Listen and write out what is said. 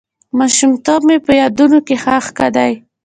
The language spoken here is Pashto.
ماشومتوب مې په یادونو کې ښخ دی.